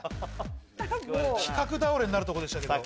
企画倒れになるとこでしたけど。